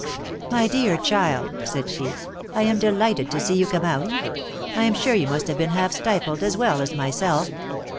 " My dear child," said she, " I am delighted to see you come out. I am sure you must have been half stifled, as well as myself.